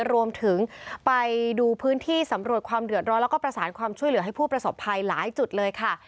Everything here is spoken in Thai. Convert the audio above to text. รวมถึงไปดูพื้นที่สำรวจความเดือดร้อนแล้วก็ประสานความช่วยเหลือให้ผู้ประสบภัยหลายจุดเลยค่ะ